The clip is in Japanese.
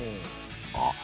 あっ！